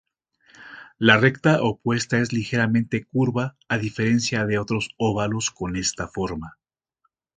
La recta opuesta es ligeramente curva, a diferencia de otros óvalos con esta forma.